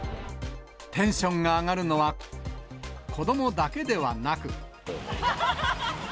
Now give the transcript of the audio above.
テンションが上がるのは子どもだけではなく。